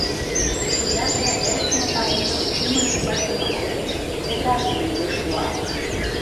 Шӱжарже эрыктыме пареҥгым кӱмыжыш пыштыме олмеш ведрашке мӧҥгеш шуа.